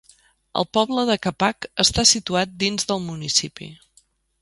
El poble de Capac està situat dins del municipi.